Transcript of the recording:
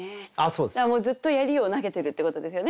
だからずっと槍を投げてるっていうことですよね。